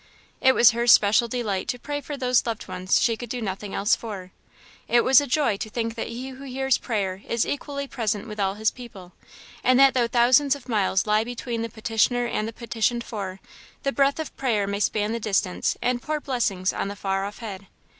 It was her special delight to pray for those loved ones she could do nothing else for; it was a joy to think that He who hears prayer is equally present with all his people, and that though thousands of miles lie between the petitioner and the petitioned for, the breath of prayer may span the distance and pour blessings on the far off head.